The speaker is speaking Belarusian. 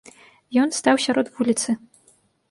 Ён стаў сярод вуліцы.